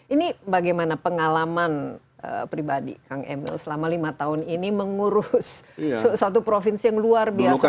ini bagaimana pengalaman pribadi kang emil selama lima tahun ini mengurus satu provinsi yang luar biasa